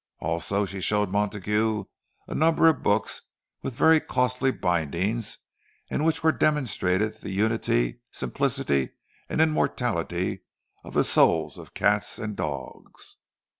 Also she showed Montague a number of books with very costly bindings, in which were demonstrated the unity, simplicity, and immortality of the souls of cats and dogs.